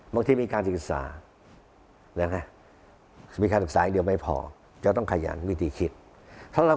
บางทีมีการศึกษา